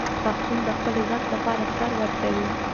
پښتون د خپل عزت لپاره سر ورکوي.